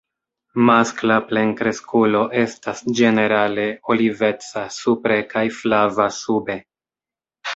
Maskla plenkreskulo estas ĝenerale oliveca supre kaj flava sube.